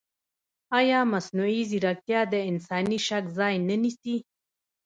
ایا مصنوعي ځیرکتیا د انساني شک ځای نه نیسي؟